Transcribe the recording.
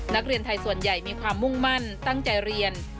นักเรียนไทยส่วนใหญ่มีความมุ่งมั่นตั้งใจเรียน